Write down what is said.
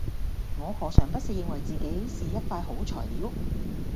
我何嘗不是認為自己是一塊好材料